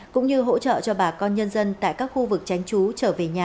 cũng như hỗ trợ cho bà con nhân dân tại các khu vực tránh trú trở về nhà